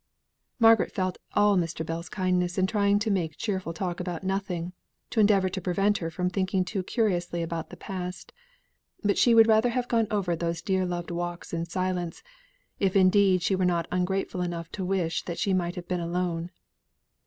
Margaret felt all Mr. Bell's kindness in trying to make cheerful talk about nothing, to endeavour to prevent her from thinking too curiously about the past. But she would rather have gone over these dear loved walks in silence, if indeed she were not ungrateful enough to wish that she might have been alone.